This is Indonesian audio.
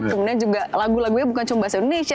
kemudian juga lagu lagunya bukan cuma bahasa indonesia